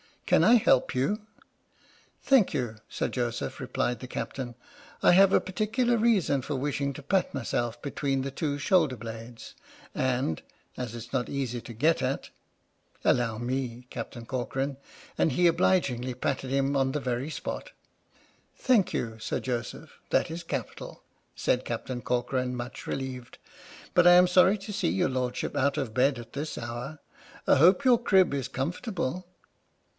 " Can I help you? "" Thank you, Sir Joseph," replied the Captain, " I have a particular reason for wishing to pat my 89 N H.M.S. "PINAFORE" self between the two shoulder blades, and — and it's not easy to get at." "Allow me, Captain Corcoran," and he obligingly patted him on the very spot. " Thank you, Sir Joseph, that is capital," said Captain Corcoran, much relieved, " but I am sorry to see your Lordship out of bed at this hour. I hope your crib is comfortable."